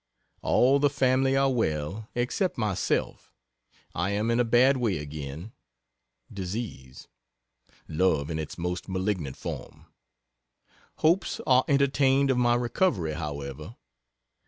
All the family are well except myself I am in a bad way again disease, Love, in its most malignant form. Hopes are entertained of my recovery, however.